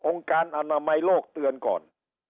การอนามัยโลกเตือนก่อน